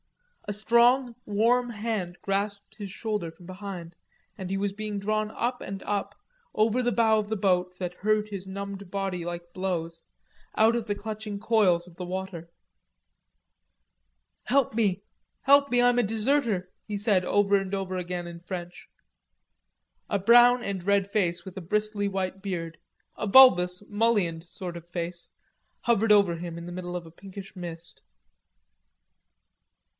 A strong warm hand grasped his shoulder from behind, and he was being drawn up and up, over the bow of the boat that hurt his numbed body like blows, out of the clutching coils of the water. "Hide me, I'm a deserter," he said over and over again in French. A brown and red face with a bristly white beard, a bulbous, mullioned sort of face, hovered over him in the middle of a pinkish mist.